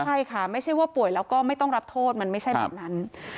ใช่ค่ะไม่ใช่ว่าป่วยแล้วก็ไม่ต้องรับโทษมันไม่ใช่แบบนั้น